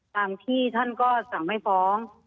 บางที่ท่านก็สั่งให้ฟ้อง